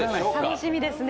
楽しみですね。